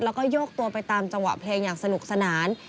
แล้วก็โยกตัวไปตามจังหวะเพลงอย่างสนุกสนาน